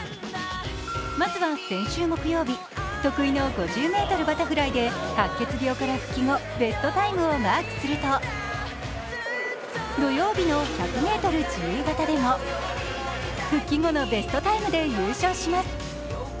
まずは先週木曜日、得意の５０メートルバタフライで白血病から復帰後、ベストタイムをマークすると土曜日の１００ｍ自由形でも復帰後のベストタイムで優勝します。